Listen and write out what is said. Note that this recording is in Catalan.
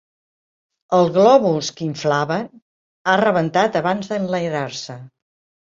El globus que inflaven ha rebentat abans d'enlairar-se.